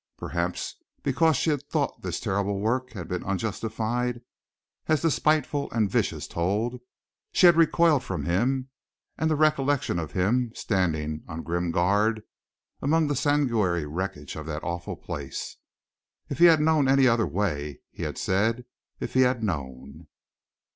Perhaps because she had thought his terrible work had been unjustified, as the spiteful and vicious told, she had recoiled from him, and the recollection of him standing on grim guard among the sanguinary wreckage of that awful place. If he had known any other way, he had said; if he had known!